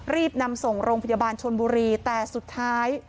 รีบนำส่งโรงพยาบาลชนบุรีแต่สุดท้าย